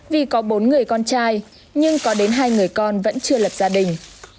vì có bốn người con trai nhưng có đến hai người con vẫn chưa lập gia đình